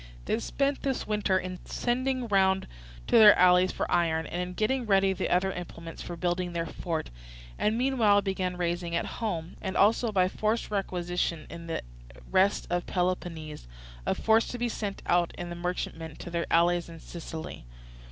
They spent this winter in sending round to their allies for iron, and in getting ready the other implements for building their fort; and meanwhile began raising at home, and also by forced requisitions in the rest of Peloponnese, a force to be sent out in the merchantmen to their allies in Sicily.